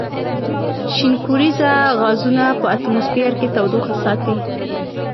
شینکوریزه غازونه په اتموسفیر کې تودوخه ساتي.